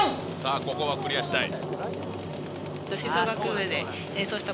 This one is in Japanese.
ここはクリアしたい。